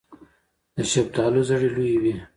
د شفتالو زړې لویې وي.